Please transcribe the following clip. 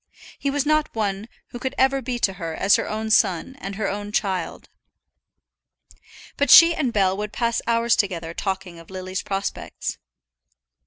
He was not one who could ever be to her as her own son and her own child. But she and Bell would pass hours together talking of Lily's prospects.